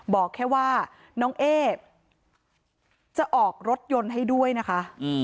บอกแค่ว่าน้องเอ๊จะออกรถยนต์ให้ด้วยนะคะ